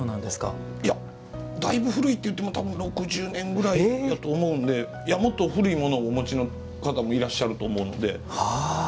だいぶ古いっていっても６０年ぐらいだと思うのでもっと古いものをお持ちの方もいらっしゃると思うので。